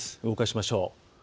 動かしましょう。